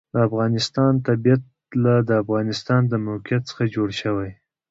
د افغانستان طبیعت له د افغانستان د موقعیت څخه جوړ شوی دی.